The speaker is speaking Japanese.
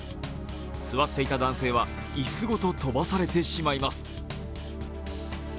座っていた男性は椅子ごと飛ばされてしまいます。